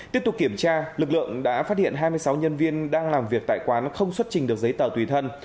tiếp tục kiểm tra lực lượng đã phát hiện hai mươi sáu nhân viên đang làm việc tại quán không xuất trình được giấy tờ tùy thân